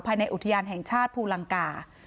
ในอุทยานแห่งชาติภูลังกา